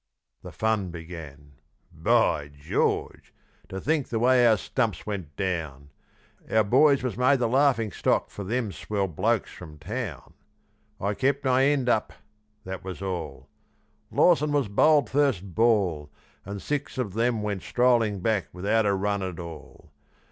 The fun began. By George! to think the way our stumps went down! Our boys was made the laughing stock for them swell blokes from town. I kept my end up that was all, Lawson was bowled first ball, And six of them went strolling back without a run at all.